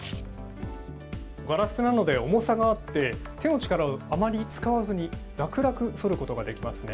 ガラスなので重さがあって手の力を使わずに楽々そることができますね。